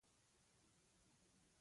مځکه د ژوند د دوام لپاره ضروري ده.